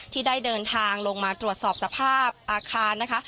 ที่ได้เดินทางลงมาตรวจสอบสภาพอาคารนะคะ